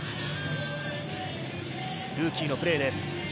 ルーキーのプレーです。